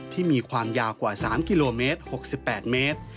มีความยาวกว่า๓กิโลเมตร๖๘เมตร